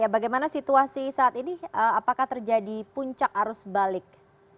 bagaimana situasi saat ini apakah terjadi puncak arus balik